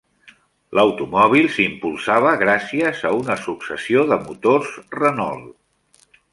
L'automòbil s'impulsava gràcies a una successió de motors Renault.